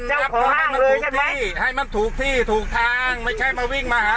อยากให้มันถูกที่ให้มันถูกที่ถูกทางไม่ใช่มาวิ่งมาหา